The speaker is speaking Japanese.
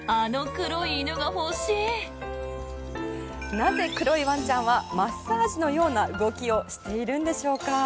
なぜ、黒いワンちゃんはマッサージのような動きをしているのでしょうか。